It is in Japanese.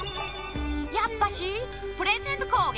やっぱしプレゼントこうげき！